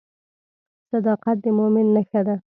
صداقت د مؤمن نښه ده.